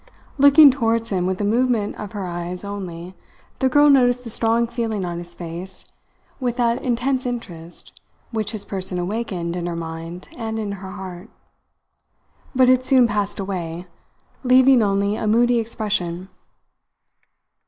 Looking towards him with a movement of her eyes only, the girl noticed the strong feeling on his face with that intense interest which his person awakened in her mind and in her heart. But it soon passed away, leaving only a moody expression.